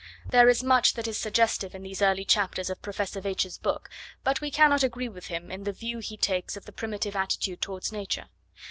There is much that is suggestive in these early chapters of Professor Veitch's book, but we cannot agree with him in the view he takes of the primitive attitude towards Nature.